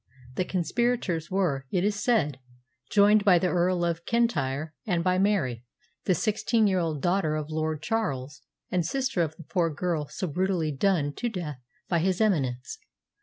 The conspirators were, it is said, joined by the Earl of Kintyre and by Mary, the sixteen year old daughter of Lord Charles, and sister of the poor girl so brutally done to death by his Eminence.